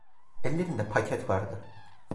Ellerinde paket vardı.